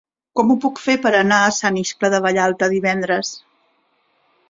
Com ho puc fer per anar a Sant Iscle de Vallalta divendres?